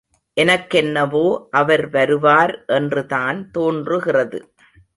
எனக்கென்னவோ அவர் வருவார் என்று தான் தோன்றுகிறது.